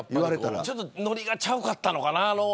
ちょっとノリがちゃうかったのかな。